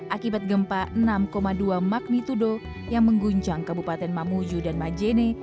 akibat gempa enam dua magnitudo yang mengguncang kabupaten mamuju dan majene